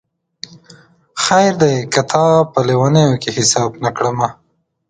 خیر دی که تا په لېونیو کي حساب نه کړمه